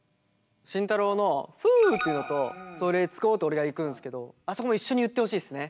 慎太郎の「Ｗｏｏ」っていうのと「Ｓｏｌｅｔ’ｓｇｏ」って俺がいくんすけどあそこも一緒に言ってほしいですね。